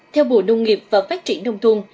theo bộ nông nghiệp và phát triển đông thuông